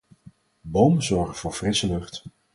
Bomen zorgen voor frisse lucht